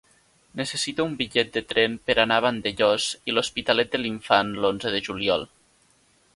Necessito un bitllet de tren per anar a Vandellòs i l'Hospitalet de l'Infant l'onze de juliol.